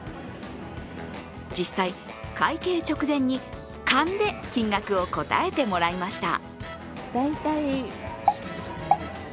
実際、会計直前に勘で金額を答えてもらいました。